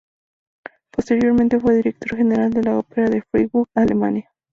Posteriormente fue director general de la ópera de Freiburg, Alemania.